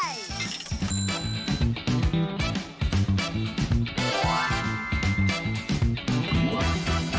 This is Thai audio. ช่วงซูเปอร์ชุมชนวันนี้